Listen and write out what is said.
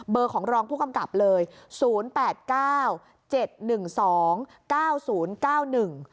ของรองผู้กำกับเลยศูนย์แปดเก้าเจ็ดหนึ่งสองเก้าศูนย์เก้าหนึ่ง